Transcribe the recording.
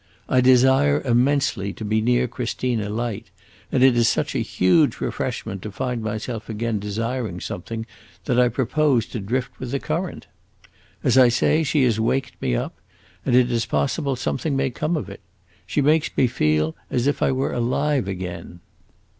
I desire immensely to be near Christina Light, and it is such a huge refreshment to find myself again desiring something, that I propose to drift with the current. As I say, she has waked me up, and it is possible something may come of it. She makes me feel as if I were alive again.